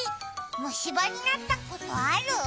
虫歯になったことある？